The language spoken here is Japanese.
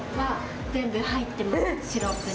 シロップに。